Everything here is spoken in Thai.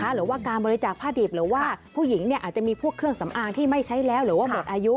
หรือว่าการบริจาคผ้าดิบหรือว่าผู้หญิงอาจจะมีพวกเครื่องสำอางที่ไม่ใช้แล้วหรือว่าหมดอายุ